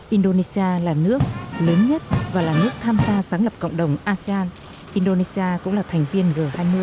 indonesia là nước lớn nhất và là nước tham gia sáng lập cộng đồng asean indonesia cũng là thành viên g hai mươi